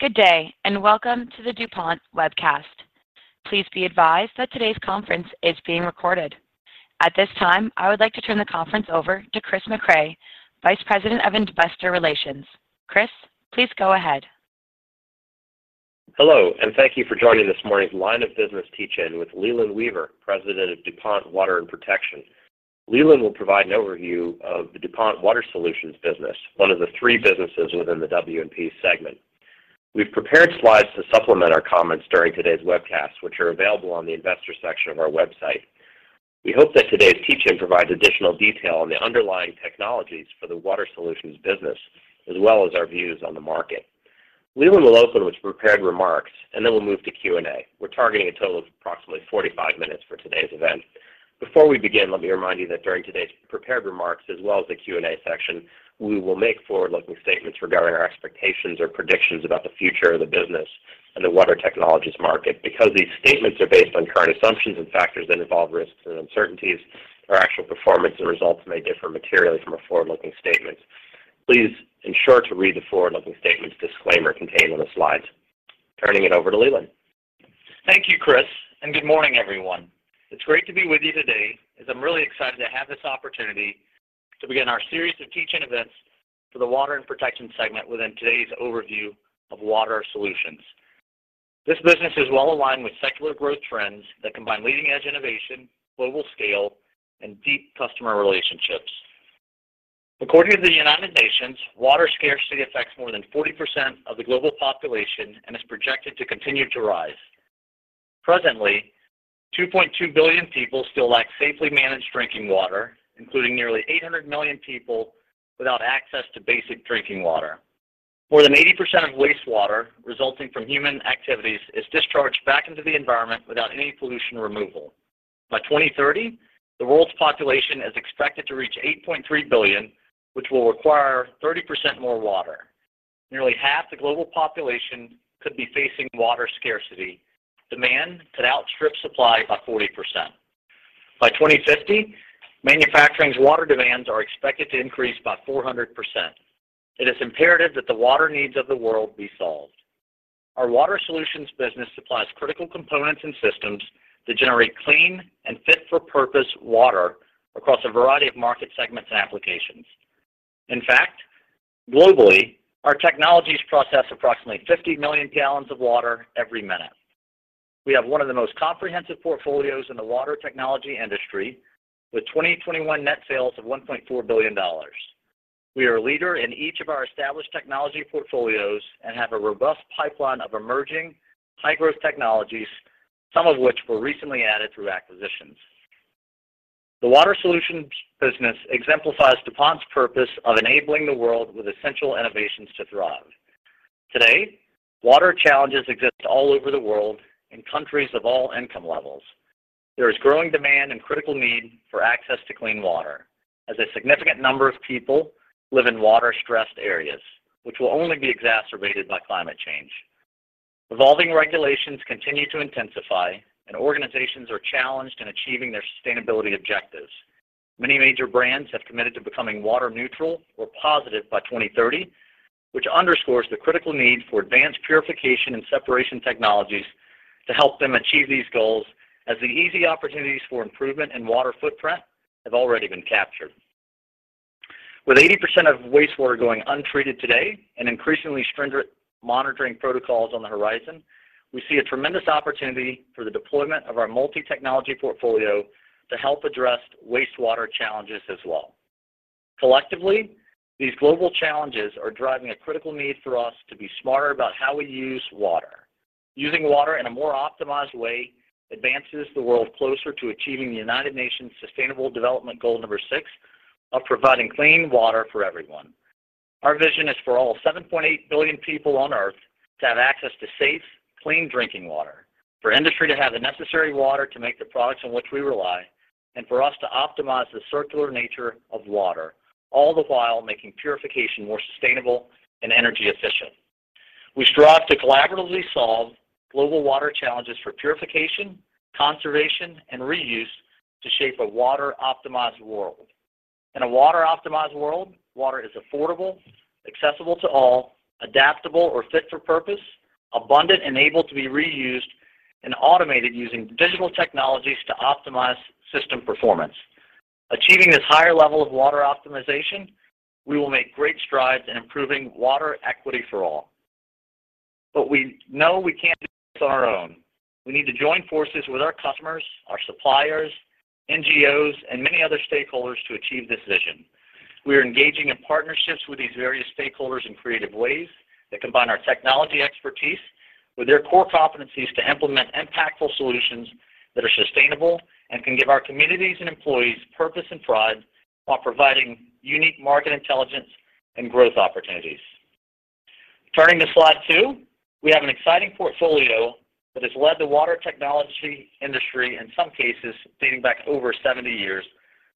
Good day, and welcome to the DuPont webcast. Please be advised that today's conference is being recorded. At this time, I would like to turn the conference over to Chris Mecray, Vice President of Investor Relations. Chris, please go ahead. Hello, and thank you for joining this morning's line of business teach-in with Leland Weaver, President of DuPont Water & Protection. Leland will provide an overview of the DuPont Water Solutions business, one of the three businesses within the W&P segment. We've prepared slides to supplement our comments during today's webcast, which are available on the Investor section of our website. We hope that today's teach-in provides additional detail on the underlying technologies for the Water Solutions business, as well as our views on the market. Leland will open with prepared remarks, and then we'll move to Q&A. We're targeting a total of approximately 45 minutes for today's event. Before we begin, let me remind you that during today's prepared remarks, as well as the Q&A section, we will make forward-looking statements regarding our expectations or predictions about the future of the business and the water technologies market. Because these statements are based on current assumptions and factors that involve risks and uncertainties, our actual performance and results may differ materially from a forward-looking statement. Please ensure to read the forward-looking statement's disclaimer contained in the slides. Turning it over to Leland. Thank you, Chris, and good morning, everyone. It's great to be with you today, as I'm really excited to have this opportunity to begin our series of teach-in events for the Water & Protection segment within today's overview of Water Solutions. This business is well-aligned with secular growth trends that combine leading-edge innovation, global scale, and deep customer relationships. According to the United Nations, water scarcity affects more than 40% of the global population and is projected to continue to rise. Presently, 2.2 billion people still lack safely managed drinking water, including nearly 800 million people without access to basic drinking water. More than 80% of wastewater resulting from human activities is discharged back into the environment without any pollution removal. By 2030, the world's population is expected to reach 8.3 billion, which will require 30% more water. Nearly half the global population could be facing water scarcity. Demand could outstrip supply by 40%. By 2050, manufacturing's water demands are expected to increase by 400%. It is imperative that the water needs of the world be solved. Our Water Solutions business supplies critical components and systems that generate clean and fit-for-purpose water across a variety of market segments and applications. In fact, globally, our technologies process approximately 50 million gal of water every minute. We have one of the most comprehensive portfolios in the water technology industry, with 2021 net sales of $1.4 billion. We are a leader in each of our established technology portfolios and have a robust pipeline of emerging high-growth technologies, some of which were recently added through acquisitions. The Water Solutions business exemplifies DuPont's purpose of enabling the world with essential innovations to thrive. Today, water challenges exist all over the world in countries of all income levels. There is growing demand and critical need for access to clean water, as a significant number of people live in water-stressed areas, which will only be exacerbated by climate change. Evolving regulations continue to intensify, and organizations are challenged in achieving their sustainability objectives. Many major brands have committed to becoming water-neutral or positive by 2030, which underscores the critical need for advanced purification and separation technologies to help them achieve these goals, as the easy opportunities for improvement in water footprint have already been captured. With 80% of wastewater going untreated today and increasingly stringent monitoring protocols on the horizon, we see a tremendous opportunity for the deployment of our multi-technology portfolio to help address wastewater challenges as well. Collectively, these global challenges are driving a critical need for us to be smarter about how we use water. Using water in a more optimized way advances the world closer to achieving the United Nations Sustainable Development Goal number six of providing clean water for everyone. Our vision is for all 7.8 billion people on Earth to have access to safe, clean drinking water, for industry to have the necessary water to make the products on which we rely, and for us to optimize the circular nature of water, all the while making purification more sustainable and energy efficient. We strive to collaboratively solve global water challenges for purification, conservation, and reuse to shape a water-optimized world. In a water-optimized world, water is affordable, accessible to all, adaptable or fit for purpose, abundant and able to be reused and automated using digital technologies to optimize system performance. Achieving this higher level of water optimization, we will make great strides in improving water equity for all. We know we can't do this on our own. We need to join forces with our customers, our suppliers, NGOs, and many other stakeholders to achieve this vision. We are engaging in partnerships with these various stakeholders in creative ways that combine our technology expertise with their core competencies to implement impactful solutions that are sustainable and can give our communities and employees purpose and thrive, while providing unique market intelligence and growth opportunities. Turning to slide two, we have an exciting portfolio that has led the water technology industry, in some cases dating back over 70 years,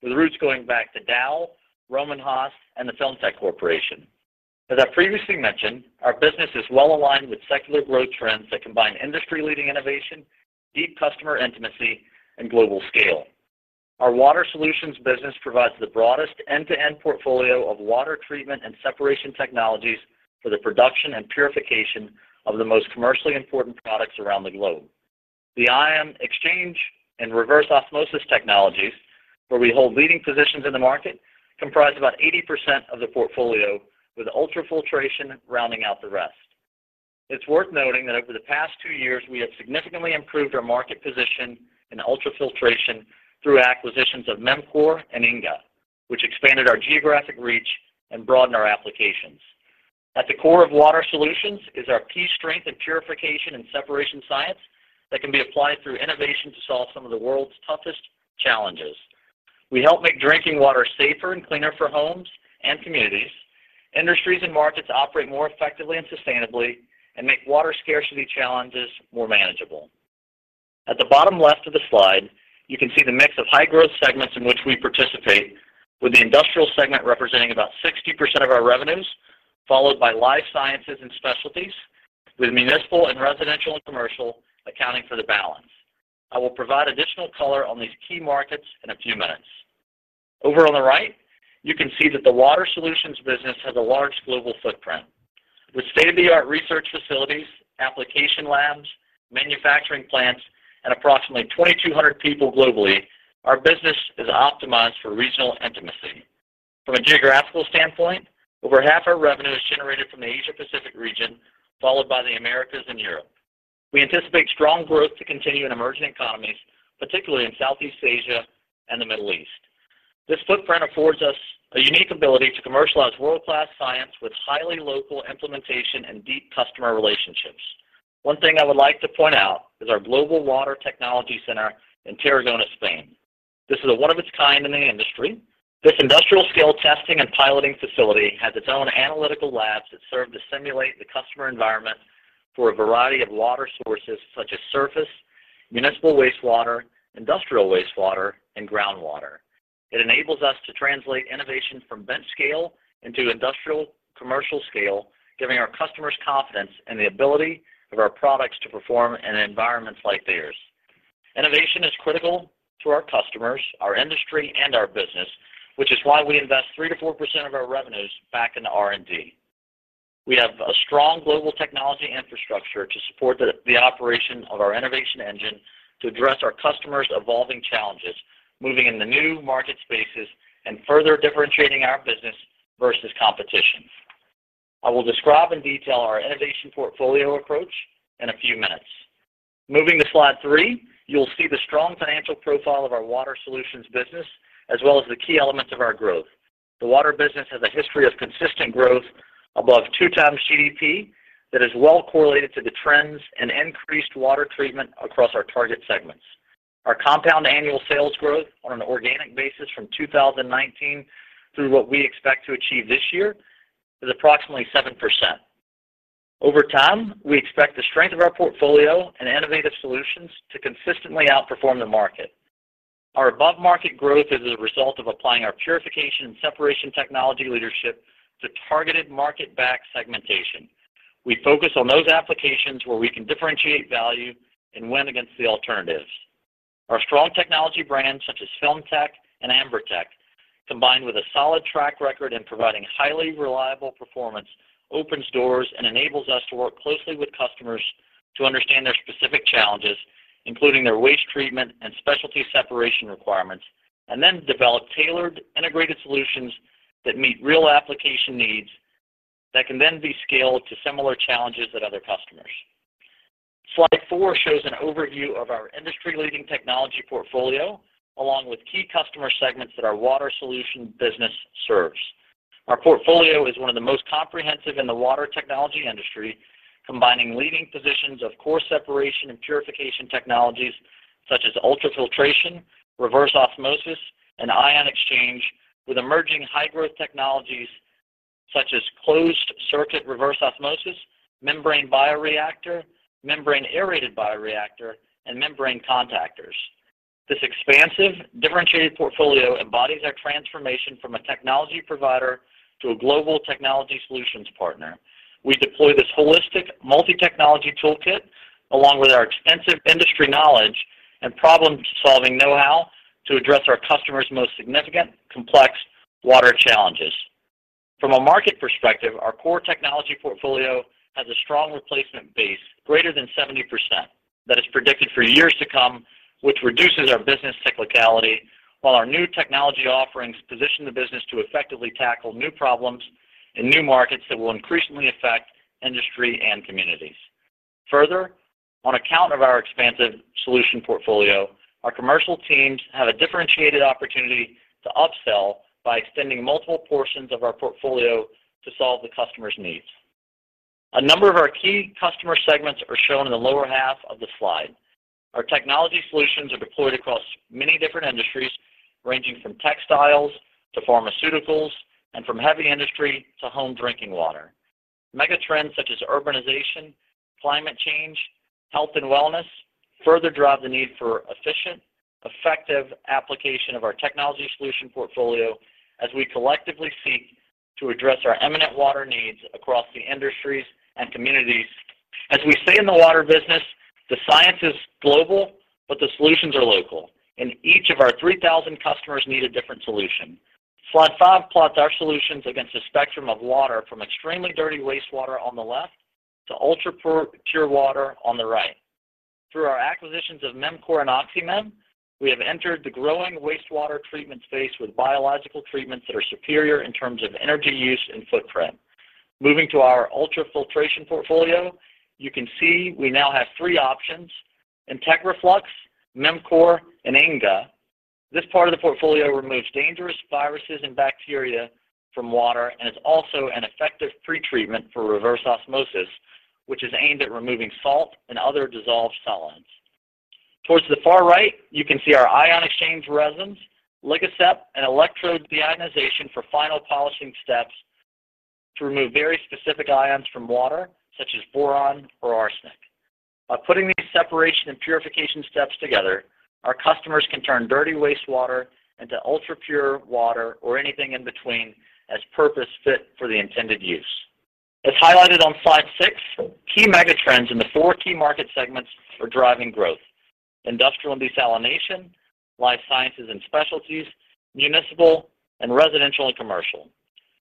with roots going back to Dow, Roman Haas, and the FilmTec™ Corporation. As I previously mentioned, our business is well-aligned with secular growth trends that combine industry-leading innovation, deep customer intimacy, and global scale. Our Water Solutions business provides the broadest end-to-end portfolio of water treatment and separation technologies for the production and purification of the most commercially important products around the globe. The ion exchange and reverse osmosis technologies, where we hold leading positions in the market, comprise about 80% of the portfolio, with ultrafiltration rounding out the rest. It's worth noting that over the past two years, we have significantly improved our market position in ultrafiltration through acquisitions of MEMCOR® and inge®, which expanded our geographic reach and broadened our applications. At the core of Water Solutions is our key strength in purification and separation science that can be applied through innovation to solve some of the world's toughest challenges. We help make drinking water safer and cleaner for homes and communities. Industries and markets operate more effectively and sustainably and make water scarcity challenges more manageable. At the bottom left of the slide, you can see the mix of high-growth segments in which we participate, with the industrial segment representing about 60% of our revenues, followed by life sciences and specialties, with municipal and residential and commercial accounting for the balance. I will provide additional color on these key markets in a few minutes. Over on the right, you can see that the Water Solutions business has a large global footprint. With state-of-the-art research facilities, application labs, manufacturing plants, and approximately 2,200 people globally, our business is optimized for regional intimacy. From a geographical standpoint, over half our revenue is generated from the Asia-Pacific region, followed by the Americas and Europe. We anticipate strong growth to continue in emerging economies, particularly in Southeast Asia and the Middle East. This footprint affords us a unique ability to commercialize world-class science with highly local implementation and deep customer relationships. One thing I would like to point out is our global water technology center in Tarragona, Spain. This is a one-of-its-kind in the industry. This industrial-scale testing and piloting facility has its own analytical labs that serve to simulate the customer environments for a variety of water sources, such as surface, municipal wastewater, industrial wastewater, and groundwater. It enables us to translate innovation from bench scale into industrial commercial scale, giving our customers confidence in the ability of our products to perform in environments like theirs. Innovation is critical to our customers, our industry, and our business, which is why we invest 3%-4% of our revenues back in R&D. We have a strong global technology infrastructure to support the operation of our innovation engine to address our customers' evolving challenges, moving in the new market spaces and further differentiating our business vs competitors. I will describe in detail our innovation portfolio approach in a few minutes. Moving to slide three, you'll see the strong financial profile of our Water Solutions business, as well as the key elements of our growth. The water business has a history of consistent growth above 2x GDP that is well correlated to the trends and increased water treatment across our target segments. Our compound annual organic sales growth from 2019 through what we expect to achieve this year is approximately 7%. Over time, we expect the strength of our portfolio and innovative solutions to consistently outperform the market. Our above-market growth is a result of applying our purification and separation technology leadership to targeted market-backed segmentation. We focus on those applications where we can differentiate value and win against the alternatives. Our strong technology brands, such as FilmTec™ and AmberTec™, combined with a solid track record in providing highly reliable performance, open doors and enable us to work closely with customers to understand their specific challenges, including their waste treatment and specialty separation requirements, and then develop tailored integrated solutions that meet real application needs that can then be scaled to similar challenges at other customers. Slide four shows an overview of our industry-leading technology portfolio, along with key customer segments that our Water Solutions business serves. Our portfolio is one of the most comprehensive in the water technology industry, combining leading positions of core separation and purification technologies, such as ultrafiltration, reverse osmosis, and ion exchange, with emerging high-growth technologies such as closed-circuit reverse osmosis, membrane bioreactor, membrane aerated bioreactor, and membrane contactors. This expansive, differentiated portfolio embodies our transformation from a technology provider to a global technology solutions partner. We deploy this holistic multi-technology toolkit, along with our extensive industry knowledge and problem-solving know-how, to address our customers' most significant, complex water challenges. From a market perspective, our core technology portfolio has a strong replacement base, greater than 70%, that is predicted for years to come, which reduces our business cyclicality, while our new technology offerings position the business to effectively tackle new problems in new markets that will increasingly affect industry and communities. Further, on account of our expansive solution portfolio, our commercial teams have a differentiated opportunity to upsell by extending multiple portions of our portfolio to solve the customer's needs. A number of our key customer segments are shown in the lower half of the slide. Our technology solutions are deployed across many different industries, ranging from textiles to pharmaceuticals, and from heavy industry to home drinking water. Mega trends such as urbanization, climate change, health, and wellness further drive the need for efficient, effective application of our technology solution portfolio, as we collectively seek to address our imminent water needs across the industries and communities. As we say in the water business, the science is global, but the solutions are local, and each of our 3,000 customers needs a different solution. Slide five plots our solutions against a spectrum of water from extremely dirty wastewater on the left to ultra-pure water on the right. Through our acquisitions of MEMCOR® and Oxymem, we have entered the growing wastewater treatment space with biological treatments that are superior in terms of energy use and footprint. Moving to our ultrafiltration portfolio, you can see we now have three options: IntegraFlux, MEMCOR®, and inge®. This part of the portfolio removes dangerous viruses and bacteria from water and is also an effective pretreatment for reverse osmosis, which is aimed at removing salt and other dissolved solvents. Towards the far right, you can see our ion exchange resins, Ligasep™, and electrode deionization for final polishing steps to remove very specific ions from water, such as boron or arsenic. By putting these separation and purification steps together, our customers can turn dirty wastewater into ultra-pure water or anything in between as purpose fit for the intended use. As highlighted on slide six, key mega trends in the four key market segments are driving growth: industrial and desalination, life sciences and specialties, municipal, and residential and commercial.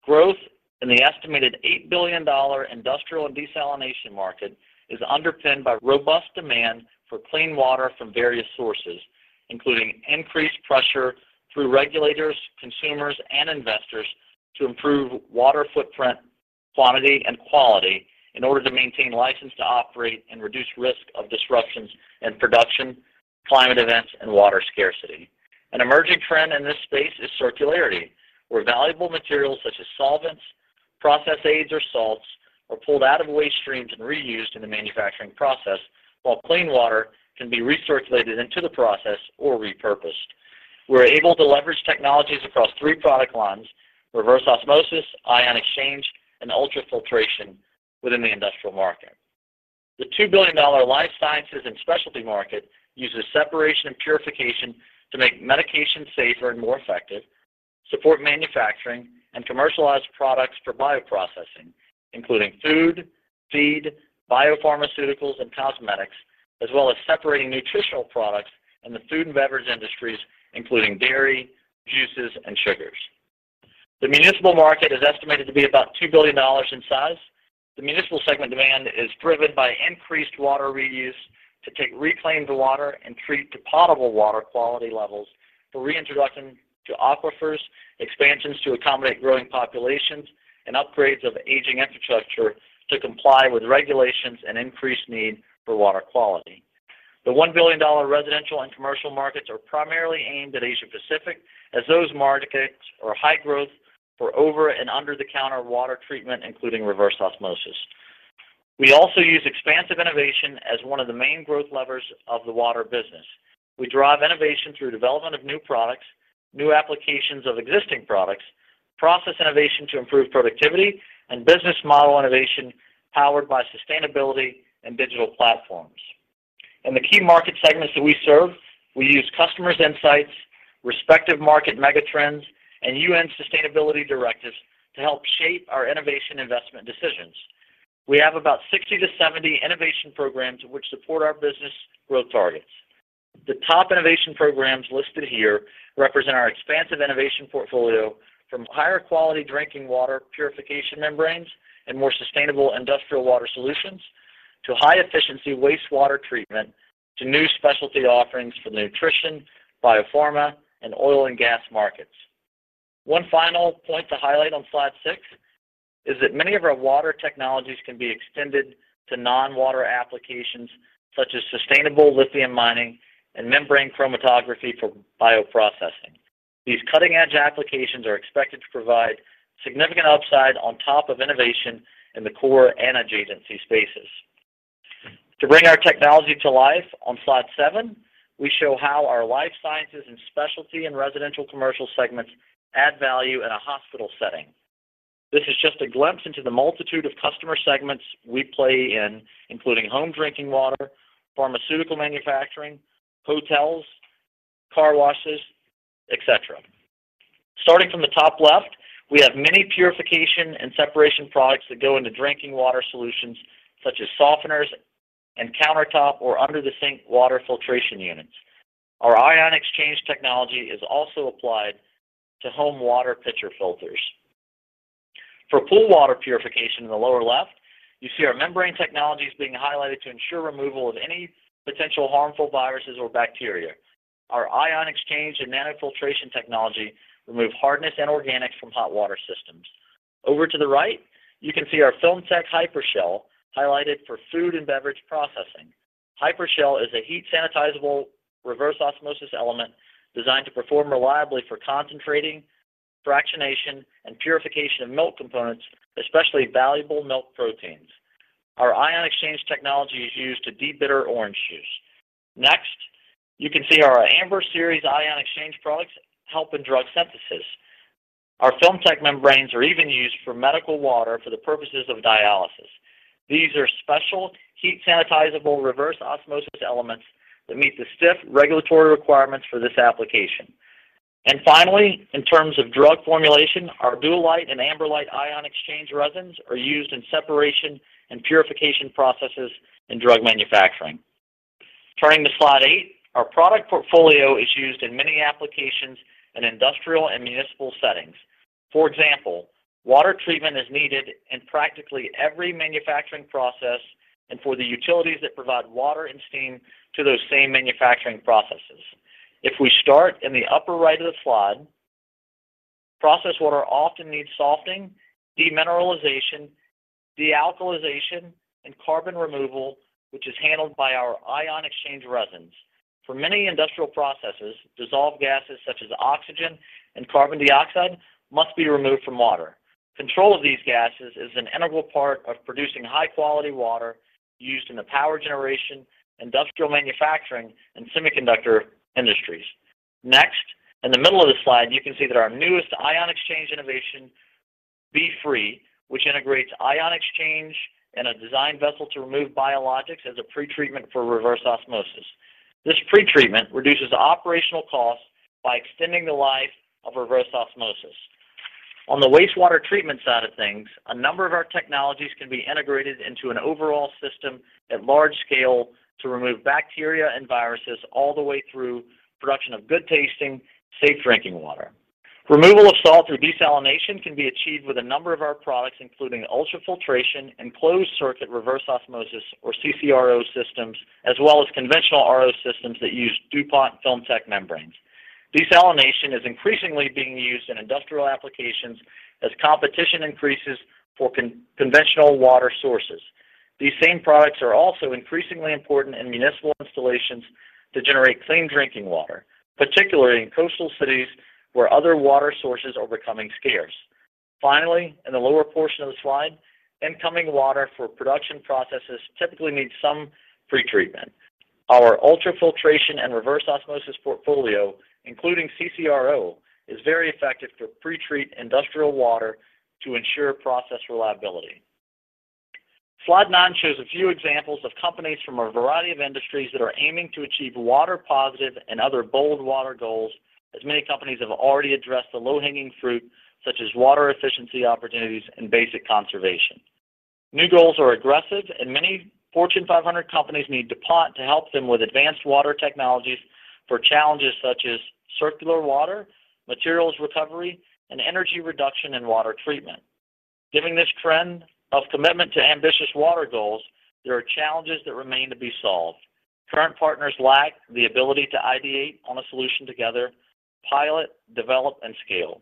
Growth in the estimated $8 billion industrial and desalination market is underpinned by robust demand for clean water from various sources, including increased pressure through regulators, consumers, and investors to improve water footprint, quantity, and quality in order to maintain license to operate and reduce risk of disruptions in production, climate events, and water scarcity. An emerging trend in this space is circularity, where valuable materials such as solvents, process agents, or salts are pulled out of waste streams and reused in the manufacturing process, while clean water can be recirculated into the process or repurposed. We're able to leverage technologies across three product lines: reverse osmosis, ion exchange, and ultrafiltration within the industrial market. The $2 billion life sciences and specialty market uses separation and purification to make medication safer and more effective, support manufacturing, and commercialize products for bioprocessing, including food, feed, biopharmaceuticals, and cosmetics, as well as separating nutritional products in the food and beverage industries, including dairy, juices, and sugars. The municipal market is estimated to be about $2 billion in size. The municipal segment demand is driven by increased water reuse to take reclaimed water and treat to potable water quality levels, the reintroduction to aquifers, expansions to accommodate growing populations, and upgrades of aging infrastructure to comply with regulations and increased need for water quality. The $1 billion residential and commercial markets are primarily aimed at Asia-Pacific, as those markets are high growth for over and under-the-counter water treatment, including reverse osmosis. We also use expansive innovation as one of the main growth levers of the water business. We drive innovation through the development of new products, new applications of existing products, process innovation to improve productivity, and business model innovation powered by sustainability and digital platforms. In the key market segments that we serve, we use customers' insights, respective market mega trends, and UN sustainability directives to help shape our innovation investment decisions. We have about 60-70 innovation programs which support our business growth targets. The top innovation programs listed here represent our expansive innovation portfolio from higher quality drinking water purification membranes and more sustainable industrial water solutions to high-efficiency wastewater treatment to new specialty offerings for nutrition, biopharma, and oil and gas markets. One final point to highlight on slide six is that many of our water technologies can be extended to non-water applications such as sustainable lithium mining and membrane chromatography for bioprocessing. These cutting-edge applications are expected to provide significant upside on top of innovation in the core and adjacency spaces. To bring our technology to life, on slide seven, we show how our life sciences and specialty and residential commercial segments add value in a hospital setting. This is just a glimpse into the multitude of customer segments we play in, including home drinking water, pharmaceutical manufacturing, hotels, car washes, etc. Starting from the top left, we have many purification and separation products that go into drinking water solutions such as softeners and countertop or under-the-sink water filtration units. Our ion exchange technology is also applied to home water pitcher filters. For pool water purification in the lower left, you see our membrane technologies being highlighted to ensure removal of any potential harmful viruses or bacteria. Our ion exchange and nanofiltration technology removes hardness and organics from hot water systems. Over to the right, you can see our FilmTec™ ™ Hypershell™ highlighted for food and beverage processing. Hypershell™ is a heat-sanitizable reverse osmosis element designed to perform reliably for concentrating, fractionation, and purification of milk components, especially valuable milk proteins. Our ion exchange technology is used to debitter orange juice. Next, you can see our AmberLite™ series ion exchange products help in drug synthesis. Our FilmTec™ membranes are even used for medical water for the purposes of dialysis. These are special heat-sanitizable reverse osmosis elements that meet the stiff regulatory requirements for this application. Finally, in terms of drug formulation, our Duolite™ and AmberLite™ ion exchange resins are used in separation and purification processes in drug manufacturing. Turning to slide eight, our product portfolio is used in many applications in industrial and municipal settings. For example, water treatment is needed in practically every manufacturing process and for the utilities that provide water and steam to those same manufacturing processes. If we start in the upper right of the slide, processed water often needs softening, demineralization, dealkalization, and carbon removal, which is handled by our ion exchange resins. For many industrial processes, dissolved gases such as oxygen and carbon dioxide must be removed from water. Control of these gases is an integral part of producing high-quality water used in the power generation, industrial manufacturing, and semiconductor industries. Next, in the middle of the slide, you can see that our newest ion exchange innovation, B-Free™, integrates ion exchange and a design vessel to remove biologics as a pretreatment for reverse osmosis. This pretreatment reduces operational costs by extending the life of reverse osmosis. On the wastewater treatment side of things, a number of our technologies can be integrated into an overall system at large scale to remove bacteria and viruses all the way through production of good-tasting, safe drinking water. Removal of salt through desalination can be achieved with a number of our products, including ultrafiltration and closed-circuit reverse osmosis or CCRO systems, as well as conventional reverse osmosis systems that use DuPont FilmTec™ membranes. Desalination is increasingly being used in industrial applications as competition increases for conventional water sources. These same products are also increasingly important in municipal installations to generate clean drinking water, particularly in coastal cities where other water sources are becoming scarce. In the lower portion of the slide, incoming water for production processes typically needs some pretreatment. Our ultrafiltration and reverse osmosis portfolio, including CCRO, is very effective to pretreat industrial water to ensure process reliability. Slide nine shows a few examples of companies from a variety of industries that are aiming to achieve water-positive and other bold water goals, as many companies have already addressed the low-hanging fruit, such as water efficiency opportunities and basic conservation. New goals are aggressive, and many Fortune 500 companies need DuPont to help them with advanced water technologies for challenges such as circular water, materials recovery, and energy reduction in water treatment. Given this trend of commitment to ambitious water goals, there are challenges that remain to be solved. Current partners lack the ability to ideate on a solution together, pilot, develop, and scale.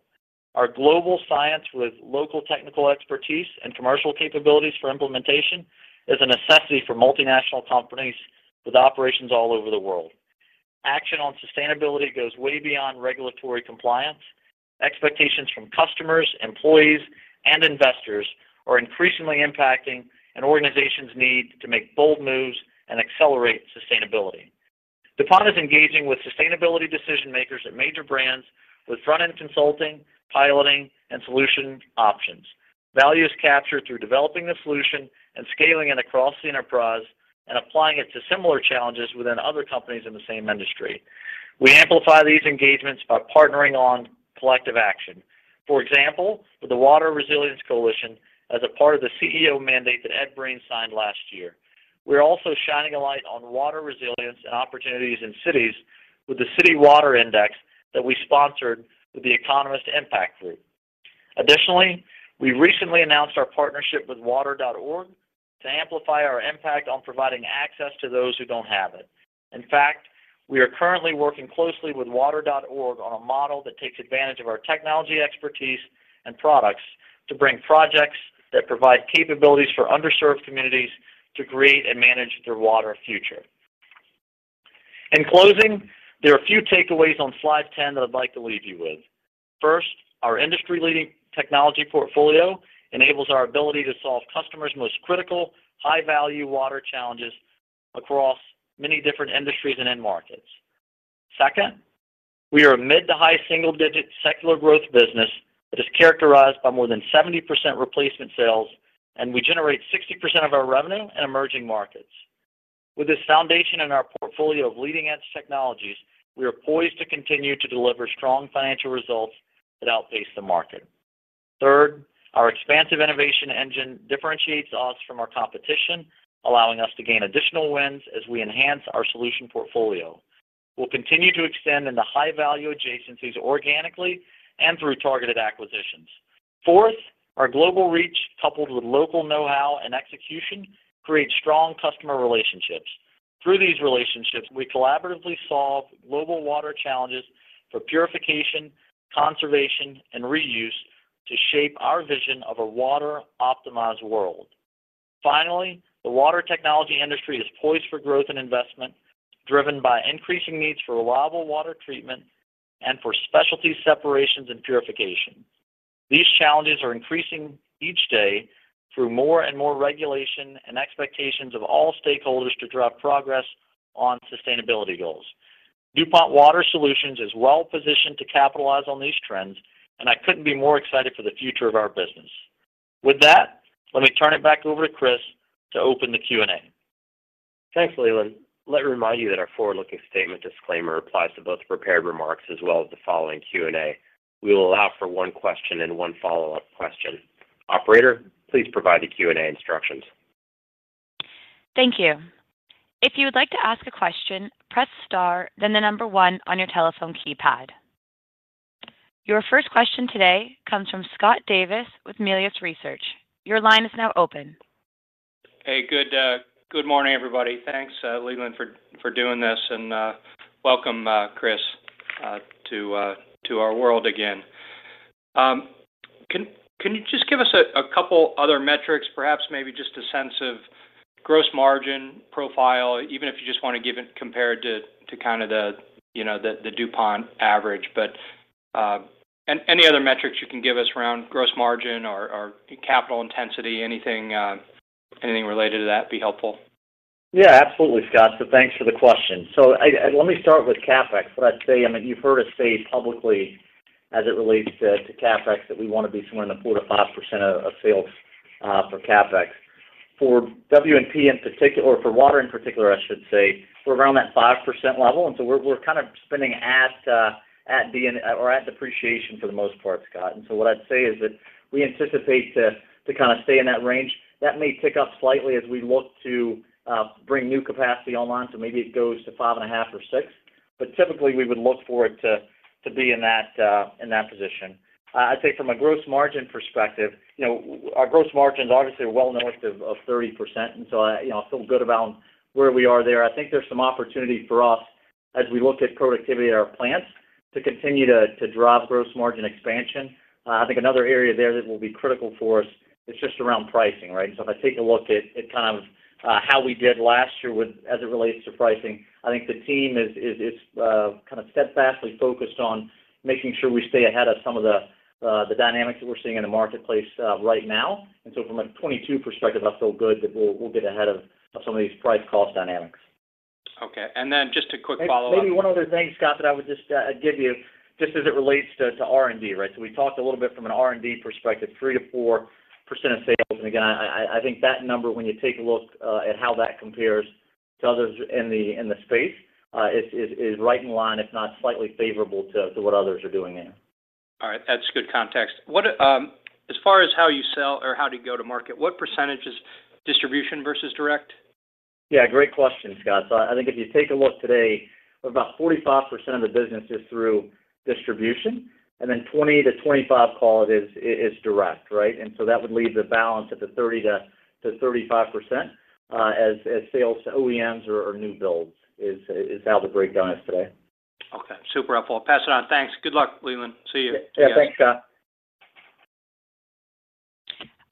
Our global science with local technical expertise and commercial capabilities for implementation is a necessity for multinational companies with operations all over the world. Action on sustainability goes way beyond regulatory compliance. Expectations from customers, employees, and investors are increasingly impacting an organization's need to make bold moves and accelerate sustainability. DuPont is engaging with sustainability decision-makers at major brands with front-end consulting, piloting, and solution options. Value is captured through developing the solution and scaling it across the enterprise and applying it to similar challenges within other companies in the same industry. We amplify these engagements by partnering on collective action. For example, with the Water Resilience Coalition as a part of the CEO mandate that Ed Breen signed last year. We're also shining a light on water resilience and opportunities in cities with the City Water Index that we sponsored with the Economist Impact Group. Additionally, we recently announced our partnership with water.org to amplify our impact on providing access to those who don't have it. In fact, we are currently working closely with water.org on a model that takes advantage of our technology expertise and products to bring projects that provide capabilities for underserved communities to create and manage their water future. In closing, there are a few takeaways on slide 10 that I'd like to leave you with. First, our industry-leading technology portfolio enables our ability to solve customers' most critical, high-value water challenges across many different industries and markets. Second, we are a mid-to-high single-digit secular growth business that is characterized by more than 70% replacement sales, and we generate 60% of our revenue in emerging markets. With this foundation in our portfolio of leading-edge technologies, we are poised to continue to deliver strong financial results that outpace the market. Third, our expansive innovation engine differentiates us from our competition, allowing us to gain additional wins as we enhance our solution portfolio. We'll continue to extend into high-value adjacencies organically and through targeted acquisitions. Fourth, our global reach, coupled with local know-how and execution, creates strong customer relationships. Through these relationships, we collaboratively solve global water challenges for purification, conservation, and reuse to shape our vision of a water-optimized world. Finally, the water technology industry is poised for growth and investment, driven by increasing needs for reliable water treatment and for specialty separations and purification. These challenges are increasing each day through more and more regulation and expectations of all stakeholders to drive progress on sustainability goals. DuPont Water Solutions is well-positioned to capitalize on these trends, and I couldn't be more excited for the future of our business. With that, let me turn it back over to Chris to open the Q&A. Thanks, Leland. Let me remind you that our forward-looking statement disclaimer applies to both the prepared remarks as well as the following Q&A. We will allow for one question and one follow-up question. Operator, please provide the Q&A instructions. Thank you. If you would like to ask a question, press star, then the number one on your telephone keypad. Your first question today comes from Scott Davis with Melius Research. Your line is now open. Hey, good morning, everybody. Thanks, Leland, for doing this, and welcome, Chris, to our world again. Can you just give us a couple other metrics, perhaps maybe just a sense of gross margin profile, even if you just want to give it compared to the DuPont average? Any other metrics you can give us around gross margin or capital intensity, anything related to that would be helpful? Yeah, absolutely, Scott. Thanks for the question. Let me start with CapEx. You've heard us say publicly as it relates to CapEx that we want to be somewhere in the 4%-5% of sales for CapEx. For W&P in particular, or for water in particular, I should say, we're around that 5% level. We're kind of spending at or at depreciation for the most part, Scott. What I'd say is that we anticipate to kind of stay in that range. That may tick up slightly as we look to bring new capacity online. Maybe it goes to 5.5% or 6%. Typically, we would look for it to be in that position. I think from a gross margin perspective, our gross margins obviously are well north of 30%. I feel good about where we are there. I think there's some opportunity for us as we look at productivity at our plants to continue to drive gross margin expansion. Another area there that will be critical for us is just around pricing, right? If I take a look at kind of how we did last year as it relates to pricing, I think the team is kind of steadfastly focused on making sure we stay ahead of some of the dynamics that we're seeing in the marketplace right now. From a 2022 perspective, I feel good that we'll get ahead of some of these price-cost dynamics. Okay, just a quick follow-up. Maybe one other thing, Scott, that I would just give you, just as it relates to R&D, right? We talked a little bit from an R&D perspective, 3%-4% of sales. I think that number, when you take a look at how that compares to others in the space, is right in line, if not slightly favorable to what others are doing there. All right. That's good context. As far as how you sell or how do you go to market, what percentage is distribution vs direct? Yeah, great question, Scott. I think if you take a look today, about 45% of the business is through distribution, and then 20%-25% is direct, right? That would leave the balance at 30%-35% as sales to OEMs or new builds, which is how the breakdown is today. Okay. Super helpful. I'll pass it on. Thanks. Good luck, Leland. See you. Yeah, thanks, Scott.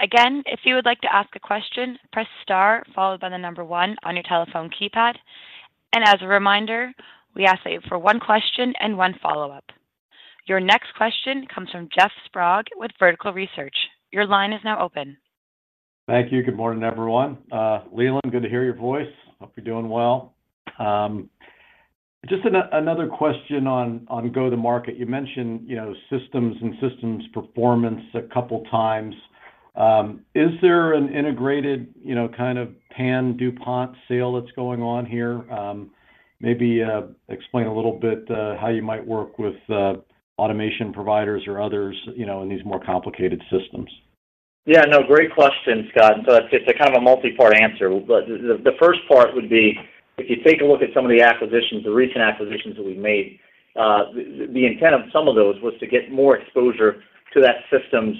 Again, if you would like to ask a question, press star, followed by the number one on your telephone keypad. As a reminder, we ask that you for one question and one follow-up. Your next question comes from Jeff Sprague with Vertical Research. Your line is now open. Thank you. Good morning, everyone. Leland, good to hear your voice. Hope you're doing well. Just another question on go-to-market. You mentioned systems and systems performance a couple of times. Is there an integrated, kind of pan-DuPont sale that's going on here? Maybe explain a little bit how you might work with automation providers or others in these more complicated systems. Yeah, no, great question, Scott. It's a kind of a multi-part answer. The first part would be, if you take a look at some of the acquisitions, the recent acquisitions that we made, the intent of some of those was to get more exposure to that system's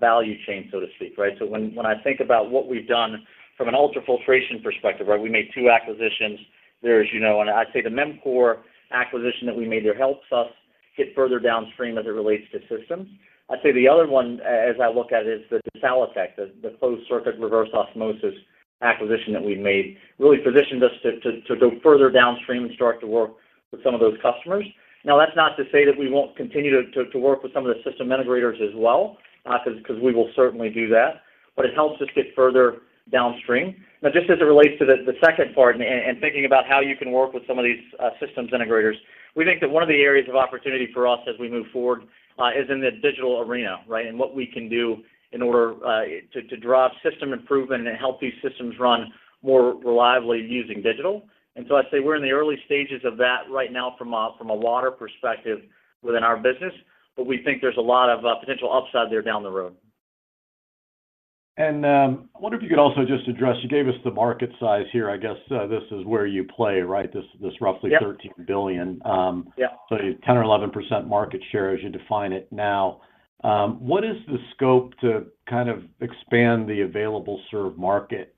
value chain, so to speak, right? When I think about what we've done from an ultrafiltration perspective, we made two acquisitions. There's, you know, and I'd say the MEMCOR® acquisition that we made there helps us get further downstream as it relates to systems. I'd say the other one, as I look at it, is the DesaliTec™, the closed-circuit reverse osmosis acquisition that we've made really positioned us to go further downstream and start to work with some of those customers. That's not to say that we won't continue to work with some of the system integrators as well, because we will certainly do that. It helps us get further downstream. Just as it relates to the second part and thinking about how you can work with some of these systems integrators, we think that one of the areas of opportunity for us as we move forward is in the digital arena, right, and what we can do in order to drive system improvement and help these systems run more reliably using digital. I'd say we're in the early stages of that right now from a water perspective within our business, but we think there's a lot of potential upside there down the road. I wonder if you could also just address, you gave us the market size here. I guess this is where you play, right? This is roughly $13 billion. Yeah. You're 10% or 11% market share as you define it now. What is the scope to kind of expand the available serve market,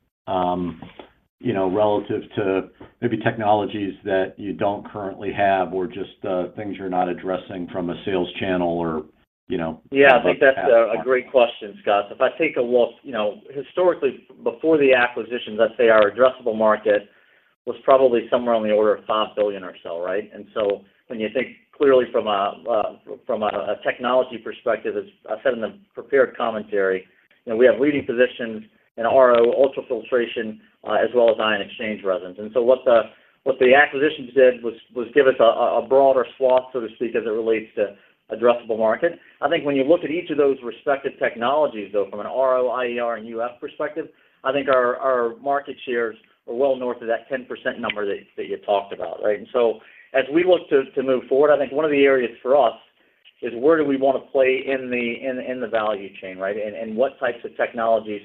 you know, relative to maybe technologies that you don't currently have or just things you're not addressing from a sales channel, you know? Yeah, I think that's a great question, Scott. If I think of what, you know, historically before the acquisitions, I'd say our addressable market was probably somewhere on the order of $5 billion or so, right? When you think clearly from a technology perspective, as I said in the prepared commentary, you know, we have leading positions in RO, ultrafiltration, as well as ion exchange resins. What the acquisitions did was give us a broader swath, so to speak, as it relates to addressable market. I think when you look at each of those respective technologies, though, from an RO, IER, and UF perspective, I think our market shares are well north of that 10% number that you talked about, right? As we look to move forward, I think one of the areas for us is where do we want to play in the value chain, right? What types of technologies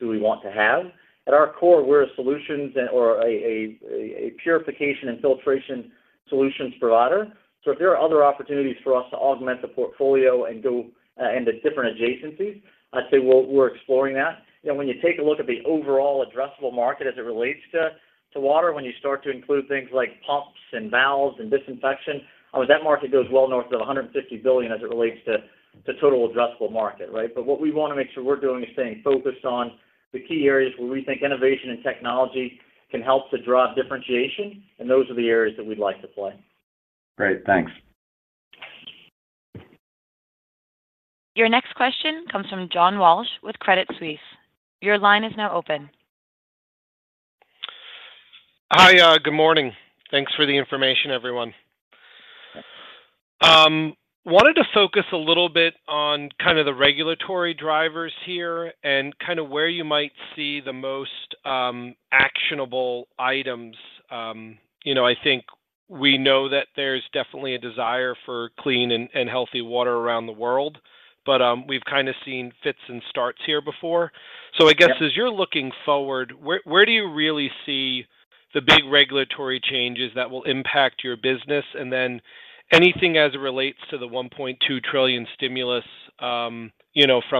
do we want to have? At our core, we're a solutions or a purification and filtration solutions provider. If there are other opportunities for us to augment the portfolio and go into different adjacencies, I'd say we're exploring that. When you take a look at the overall addressable market as it relates to water, when you start to include things like pumps and valves and disinfection, I mean, that market goes well north of $150 billion as it relates to the total addressable market, right? What we want to make sure we're doing is staying focused on the key areas where we think innovation and technology can help to drive differentiation, and those are the areas that we'd like to play. All right. Thanks. Your next question comes from John Walsh with Credit Suisse. Your line is now open. Hi. Good morning. Thanks for the information, everyone. Wanted to focus a little bit on the regulatory drivers here and where you might see the most actionable items. I think we know that there's definitely a desire for clean and healthy water around the world, but we've seen fits and starts here before. As you're looking forward, where do you really see the big regulatory changes that will impact your business? Anything as it relates to the $1.2 trillion stimulus from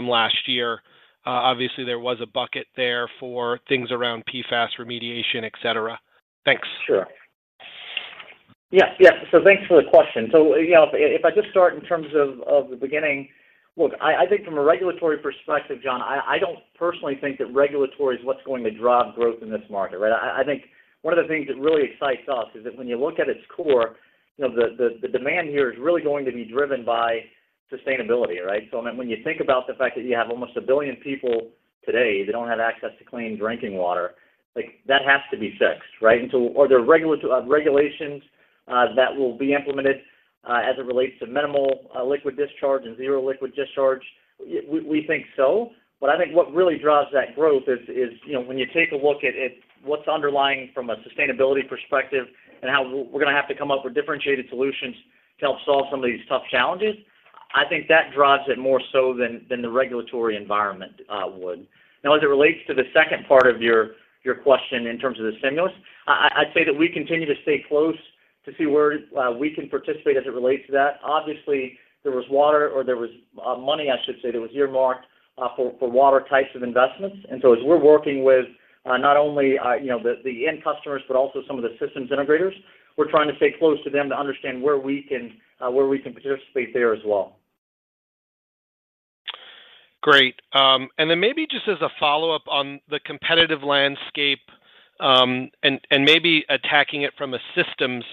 last year? Obviously, there was a bucket there for things around PFAS remediation, etc. Thanks. Sure. Yeah, yeah. Thanks for the question. If I just start in terms of the beginning, look, I think from a regulatory perspective, John, I don't personally think that regulatory is what's going to drive growth in this market, right? One of the things that really excites us is that when you look at its core, the demand here is really going to be driven by sustainability, right? When you think about the fact that you have almost a billion people today that don't have access to clean drinking water, that has to be fixed, right? Are there regulations that will be implemented as it relates to minimal liquid discharge and zero liquid discharge? We think so. I think what really drives that growth is when you take a look at what's underlying from a sustainability perspective and how we're going to have to come up with differentiated solutions to help solve some of these tough challenges. I think that drives it more so than the regulatory environment would. Now, as it relates to the second part of your question in terms of the stimulus, I'd say that we continue to stay close to see where we can participate as it relates to that. Obviously, there was money that was earmarked for water types of investments. As we're working with not only the end customers, but also some of the systems integrators, we're trying to stay close to them to understand where we can participate there as well. Great. Maybe just as a follow-up on the competitive landscape and attacking it from a systems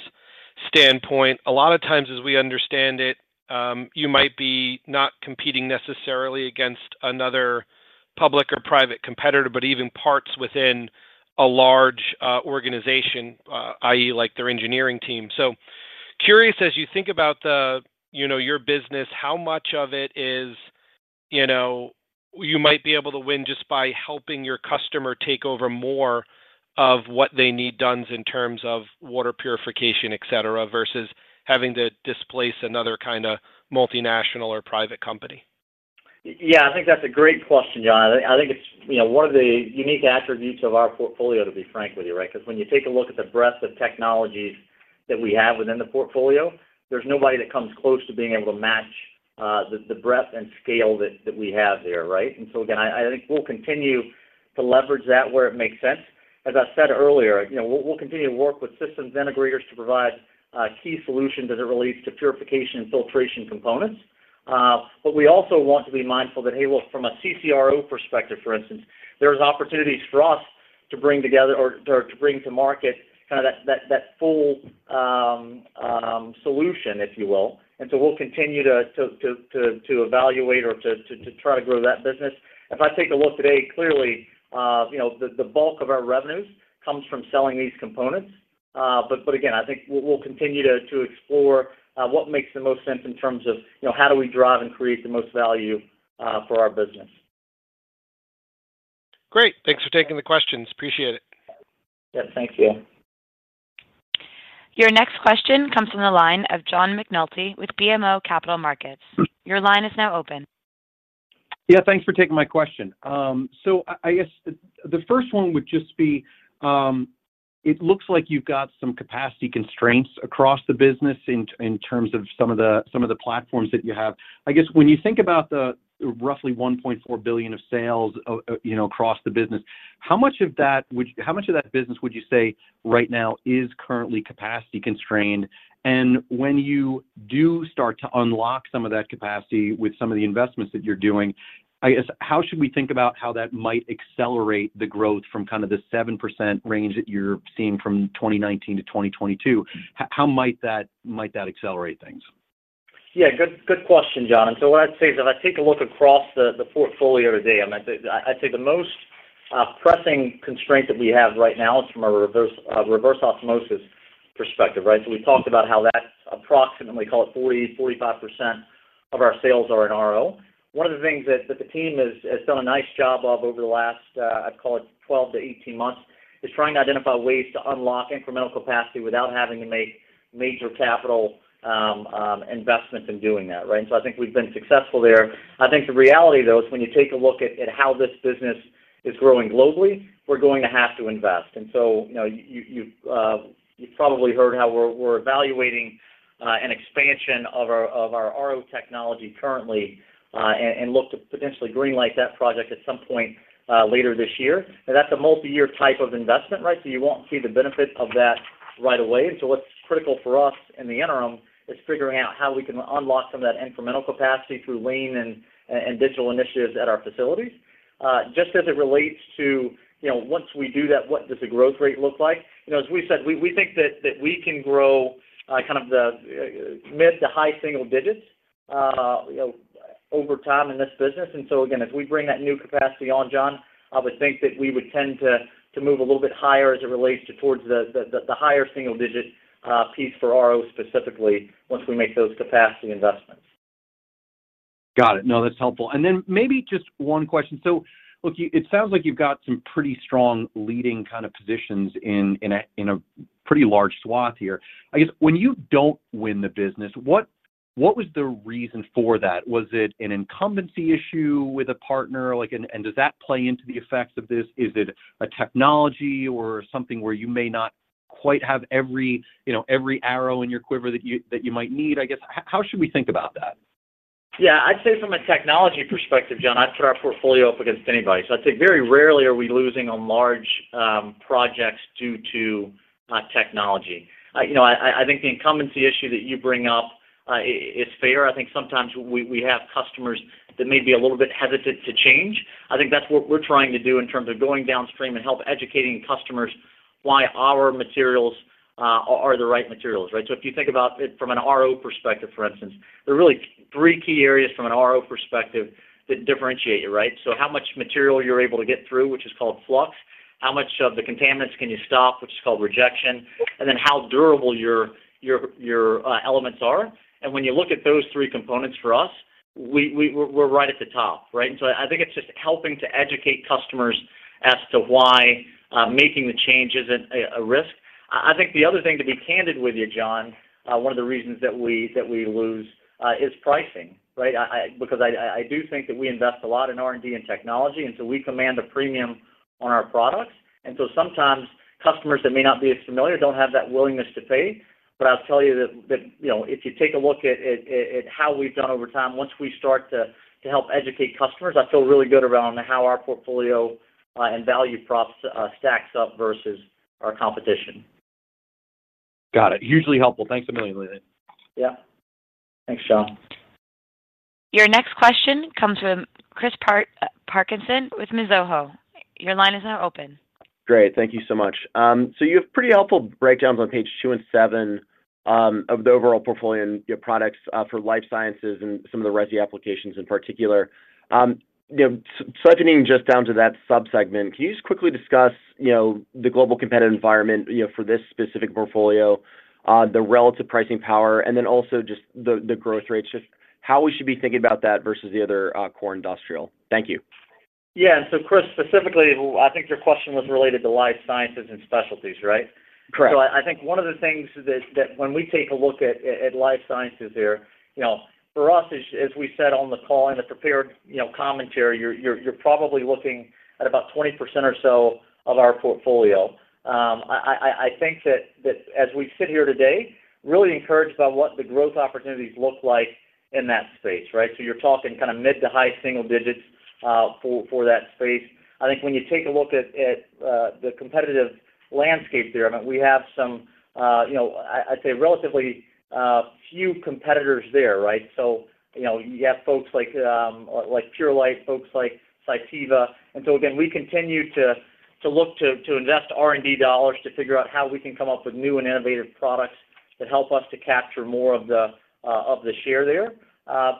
standpoint, a lot of times, as we understand it, you might not be competing necessarily against another public or private competitor, but even parts within a large organization, like their engineering team. Curious, as you think about your business, how much of it is you might be able to win just by helping your customer take over more of what they need done in terms of water purification, etc, vs having to displace another kind of multinational or private company? Yeah, I think that's a great question, John. I think it's one of the unique attributes of our portfolio, to be frank with you, right? Because when you take a look at the breadth of technologies that we have within the portfolio, there's nobody that comes close to being able to match the breadth and scale that we have there, right? I think we'll continue to leverage that where it makes sense. As I said earlier, we'll continue to work with systems integrators to provide key solutions as it relates to purification and filtration components. We also want to be mindful that, hey, from a CCRO perspective, for instance, there's opportunities for us to bring together or to bring to market kind of that full solution, if you will. We'll continue to evaluate or to try to grow that business. If I take a look today, clearly, the bulk of our revenues comes from selling these components. I think we'll continue to explore what makes the most sense in terms of how do we drive and create the most value for our business? Great. Thanks for taking the questions. Appreciate it. Thank you. Your next question comes from the line of John McNulty with BMO Capital Markets. Your line is now open. Yeah, thanks for taking my question. I guess the first one would just be, it looks like you've got some capacity constraints across the business in terms of some of the platforms that you have. When you think about the roughly $1.4 billion of sales across the business, how much of that would you say right now is currently capacity constrained? When you do start to unlock some of that capacity with some of the investments that you're doing, how should we think about how that might accelerate the growth from kind of the 7% range that you're seeing from 2019-2022? How might that accelerate things? Yeah, good question, John. What I'd say is if I take a look across the portfolio today, I'd say the most pressing constraint that we have right now is from a reverse osmosis perspective, right? We talked about how that approximately, call it 40%-45% of our sales are in RO. One of the things that the team has done a nice job of over the last, I'd call it 12 months-18 months, is trying to identify ways to unlock incremental capacity without having to make major capital investments in doing that, right? I think we've been successful there. I think the reality, though, is when you take a look at how this business is growing globally, we're going to have to invest. You've probably heard how we're evaluating an expansion of our RO technology currently and look to potentially greenlight that project at some point later this year. That's a multi-year type of investment, right? You won't see the benefit of that right away. What's critical for us in the interim is figuring out how we can unlock some of that incremental capacity through Wane and digital initiatives at our facilities. Just as it relates to, you know, once we do that, what does the growth rate look like? As we said, we think that we can grow kind of the mid to high single digits, you know, over time in this business. Again, as we bring that new capacity on, John, I would think that we would tend to move a little bit higher as it relates to towards the higher single-digit piece for RO specifically once we make those capacity investments. Got it. No, that's helpful. Maybe just one question. It sounds like you've got some pretty strong leading kind of positions in a pretty large swath here. I guess when you don't win the business, what was the reason for that? Was it an incumbency issue with a partner, and does that play into the effects of this? Is it a technology or something where you may not quite have every, you know, every arrow in your quiver that you might need? I guess how should we think about that? Yeah, I'd say from a technology perspective, John, I'd put our portfolio up against anybody. I'd say very rarely are we losing on large projects due to technology. I think the incumbency issue that you bring up is fair. I think sometimes we have customers that may be a little bit hesitant to change. That's what we're trying to do in terms of going downstream and help educating customers why our materials are the right materials, right? If you think about it from an RO perspective, for instance, there are really three key areas from an RO perspective that differentiate you, right? How much material you're able to get through, which is called flux, how much of the contaminants can you stop, which is called rejection, and then how durable your elements are. When you look at those three components for us, we're right at the top, right? I think it's just helping to educate customers as to why making the change isn't a risk. The other thing, to be candid with you, John, one of the reasons that we lose is pricing, right? I do think that we invest a lot in R&D and technology, and so we command a premium on our products. Sometimes customers that may not be as familiar don't have that willingness to pay. I'll tell you that, if you take a look at how we've done over time, once we start to help educate customers, I feel really good around how our portfolio and value props stacks up vs our competition. Got it. Hugely helpful. Thanks a million, Leland. Yeah, thanks, John. Your next question comes from Christopher Parkinson with Mizuho. Your line is now open. Great. Thank you so much. You have pretty helpful breakdowns on page two and seven of the overall portfolio and your products for life sciences and some of the rescue applications in particular. Slipping just down to that subsegment, can you just quickly discuss the global competitive environment for this specific portfolio, the relative pricing power, and then also the growth rates, just how we should be thinking about that vs the other core industrial? Thank you. Yes, Chris, specifically, I think your question was related to life sciences and specialties, right? Correct. I think one of the things that, when we take a look at life sciences here, for us, as we said on the call and the prepared commentary, you're probably looking at about 20% or so of our portfolio. I think that as we sit here today, really encouraged by what the growth opportunities look like in that space, right? You're talking kind of mid to high single-digits for that space. I think when you take a look at the competitive landscape there, we have some, I'd say, relatively few competitors there, right? You have folks like Purelight, folks like Cytiva. We continue to look to invest R&D dollars to figure out how we can come up with new and innovative products that help us to capture more of the share there. As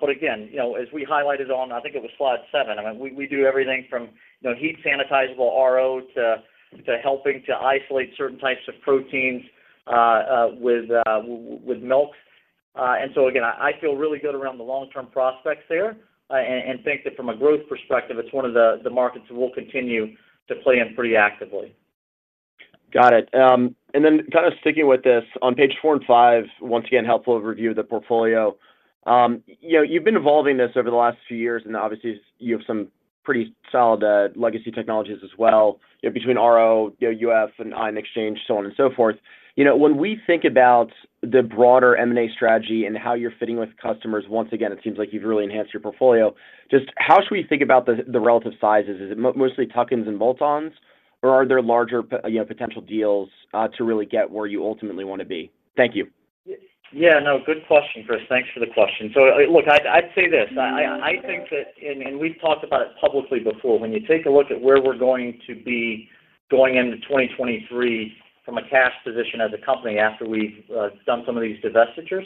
we highlighted on, I think it was slide seven, we do everything from heat-sanitizable RO to helping to isolate certain types of proteins with milks. I feel really good around the long-term prospects there and think that from a growth perspective, it's one of the markets that we'll continue to play in pretty actively. Got it. Kind of sticking with this, on page four and five, once again, helpful overview of the portfolio. You've been evolving this over the last few years, and obviously, you have some pretty solid legacy technologies as well, between reverse osmosis, ultrafiltration, and ion exchange, so on and so forth. When we think about the broader M&A strategy and how you're fitting with customers, once again, it seems like you've really enhanced your portfolio. Just how should we think about the relative sizes? Is it mostly tuck-ins and bolt-ons, or are there larger, you know, potential deals to really get where you ultimately want to be? Thank you. Yeah, no, good question, Chris. Thanks for the question. Look, I'd say this. I think that, and we've talked about it publicly before, when you take a look at where we're going to be going into 2023 from a cash position as a company after we've done some of these divestitures,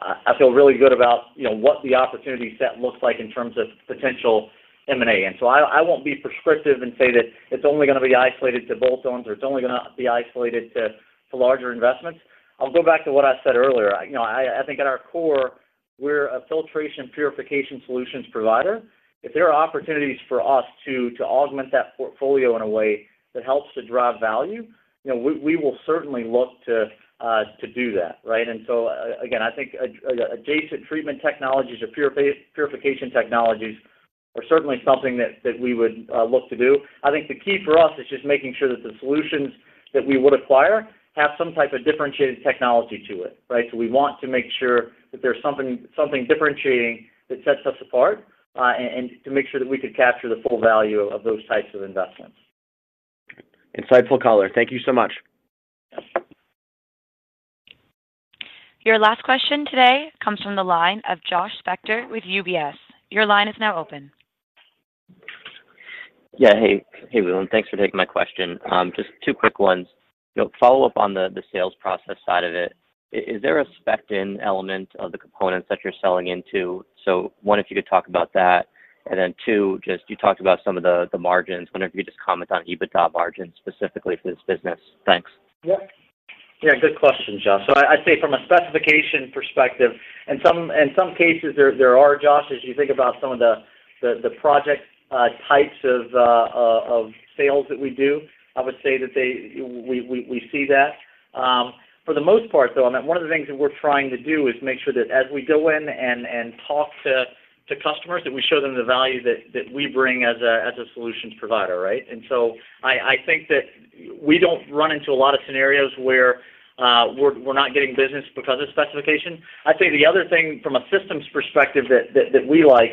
I feel really good about what the opportunity set looks like in terms of potential M&A. I won't be prescriptive and say that it's only going to be isolated to bolt-ons or it's only going to be isolated to larger investments. I'll go back to what I said earlier. I think at our core, we're a filtration purification solutions provider. If there are opportunities for us to augment that portfolio in a way that helps to drive value, we will certainly look to do that, right? Again, I think adjacent treatment technologies or purification technologies are certainly something that we would look to do. I think the key for us is just making sure that the solutions that we would acquire have some type of differentiated technology to it, right? We want to make sure that there's something differentiating that sets us apart and to make sure that we could capture the full value of those types of investments. Insightful color. Thank you so much. Your last question today comes from the line of Josh Spector with UBS. Your line is now open. Yeah, hey, Leland. Thanks for taking my question. Just two quick ones. You know, follow up on the sales process side of it. Is there a spec-in element of the components that you're selling into? If you could talk about that. You talked about some of the margins. I wonder if you could just comment on EBITDA margins specifically for this business. Thanks. Yeah, good question, Josh. I'd say from a specification perspective, in some cases, there are, Josh, if you think about some of the project types of sales that we do, I would say that we see that. For the most part, though, one of the things that we're trying to do is make sure that as we go in and talk to customers, we show them the value that we bring as a solutions provider, right? I think that we don't run into a lot of scenarios where we're not getting business because of specification. I'd say the other thing from a systems perspective that we like,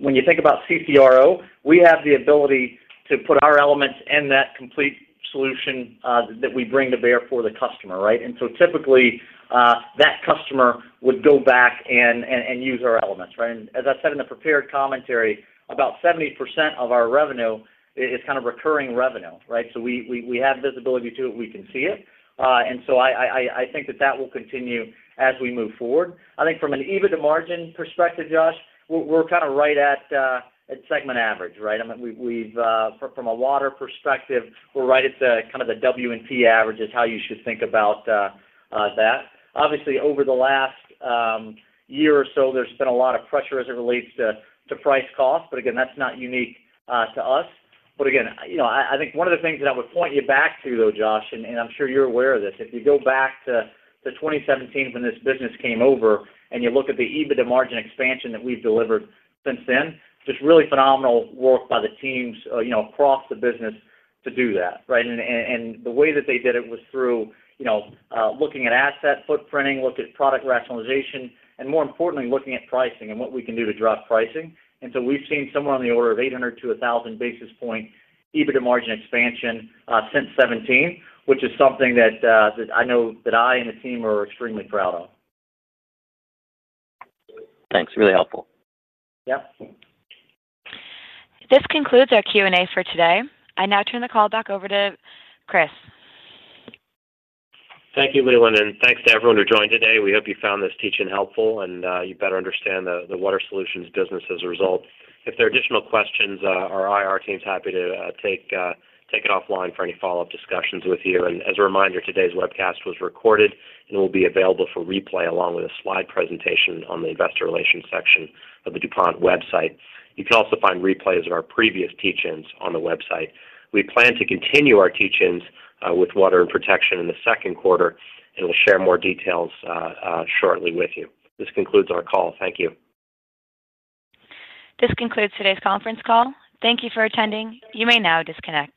when you think about CCRO, we have the ability to put our elements in that complete solution that we bring to bear for the customer, right? Typically, that customer would go back and use our elements, right? As I said in the prepared commentary, about 70% of our revenue is kind of recurring revenue, right? We have visibility to it. We can see it. I think that will continue as we move forward. I think from an EBITDA margin perspective, Josh, we're kind of right at segment average, right? From a water perspective, we're right at kind of the W&P average is how you should think about that. Obviously, over the last year or so, there's been a lot of pressure as it relates to price cost, but again, that's not unique to us. One of the things that I would point you back to, though, Josh, and I'm sure you're aware of this, if you go back to 2017 when this business came over and you look at the EBITDA margin expansion that we've delivered since then, just really phenomenal work by the teams across the business to do that, right? The way that they did it was through looking at asset footprinting, looking at product rationalization, and more importantly, looking at pricing and what we can do to drive pricing. We've seen somewhere on the order of 800 basis points-1,000 basis points EBITDA margin expansion since 2017, which is something that I know that I and the team are extremely proud of. Thanks. Really helpful. Yeah. This concludes our Q&A for today. I now turn the call back over to Chris. Thank you, Leland, and thanks to everyone who joined today. We hope you found this teaching helpful and you better understand the Water Solutions business as a result. If there are additional questions, our IR team is happy to take it offline for any follow-up discussions with you. As a reminder, today's webcast was recorded and will be available for replay along with a slide presentation on the investor relations section of the DuPont website. You can also find replays of our previous teach-ins on the website. We plan to continue our teach-ins with Water & Protection in the second quarter, and we'll share more details shortly with you. This concludes our call. Thank you. This concludes today's conference call. Thank you for attending. You may now disconnect.